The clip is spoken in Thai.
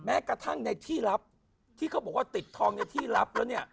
แม้กระทั่งในที่ลับที่เขาบอกว่าติดทองในที่รับแล้วเนี่ย